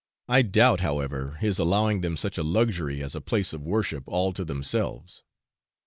I doubt, however, his allowing them such a luxury as a place of worship all to themselves.